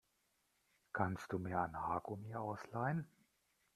Kannst du mir ein Haargummi ausleihen?